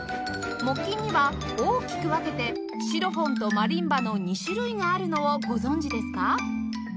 木琴には大きく分けてシロフォンとマリンバの２種類があるのをご存じですか？